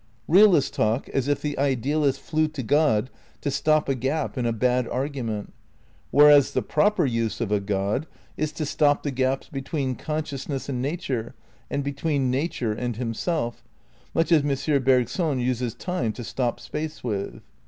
Realists talk as if the idealist flew to Grod to stop a gap in a bad argument ; whereas the proper use of a God is to stop the gaps between consciousness and nature and between nature and Him self, much as M. Bergson uses time to stop space with.